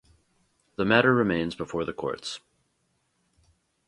The matter remains before the courts.